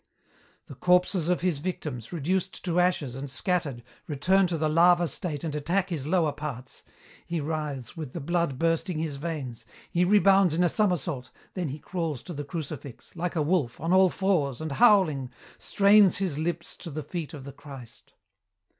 "The corpses of his victims, reduced to ashes and scattered, return to the larva state and attack his lower parts. He writhes, with the blood bursting his veins. He rebounds in a somersault, then he crawls to the crucifix, like a wolf, on all fours, and howling, strains his lips to the feet of the Christ.